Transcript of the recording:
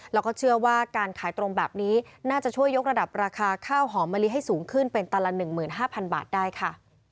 แล้วก็เชื่อว่าการขายตรงแบบนี้น่าจะช่วยยกระดับราคาข้าวหอมมะลิให้สูงขึ้นเป็นตันละ๑๕๐๐๐บาทได้ค่ะ